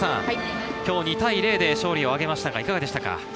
２対０で勝利を挙げましたが、いかがでしたか？